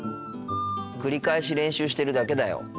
繰り返し練習してるだけだよ。